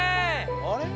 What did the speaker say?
あれ？